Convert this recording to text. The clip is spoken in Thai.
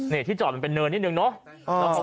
นี่ที่จอดมันเป็นเนินนิดนึงเนาะ